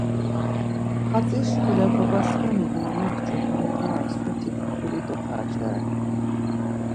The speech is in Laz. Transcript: Hatzi şkule babaskanik na mekçu ham para soti fuzuli doxarcare.